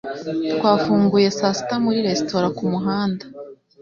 Twafunguye saa sita muri resitora kumuhanda.